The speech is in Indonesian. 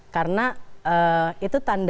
karena itu tanda